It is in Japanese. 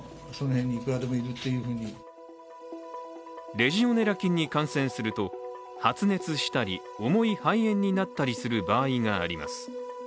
レジオネラ菌に感染すると、発熱したり重い肺炎になったりする場合があります。